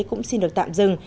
cũng xin được tạm dừng